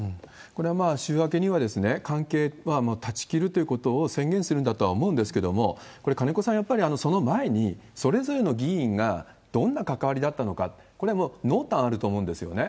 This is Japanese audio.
これは週明けには、関係はもう断ち切るということを宣言するんだとは思うんですけれども、これ、金子さん、やっぱりその前に、それぞれの議員がどんな関わりだったのか、これ、濃淡あると思うんですよね。